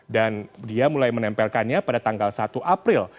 dan dia mulai menempelkannya pada tanggal satu april